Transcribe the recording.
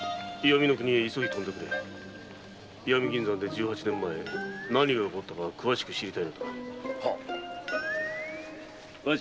石見銀山で十八年前何があったか詳しく知りたいのだ。